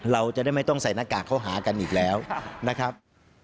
เราจะได้ไม่ต้องใส่หน้ากากเข้าหากันอีกแล้วนะครับ